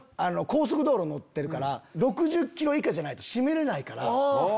高速道路乗ってるから６０キロ以下じゃないと閉めれないから。